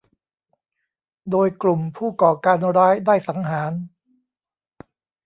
โดยกลุ่มผู้ก่อการร้ายได้สังหาร